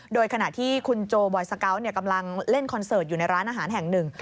โดยขณะที่คุณโจบอยสเกาะกำลังเล่นคอนเสิร์ตอยู่ในร้านอาหารแห่งหนึ่ง